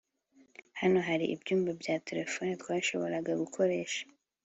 hano hari ibyumba bya terefone twashoboraga gukoresha